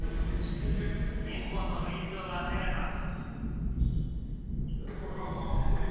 １本のフリースローが与えられます。